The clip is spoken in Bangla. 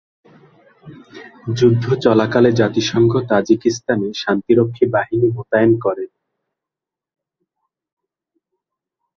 যুদ্ধে চলাকালে জাতিসংঘ তাজিকিস্তানে শান্তিরক্ষী বাহিনী মোতায়েন করে।